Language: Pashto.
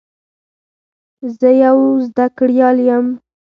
زه یو زده کړیال یم.